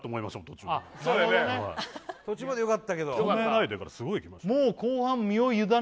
途中までよかったけど「止めないで」からすごいきました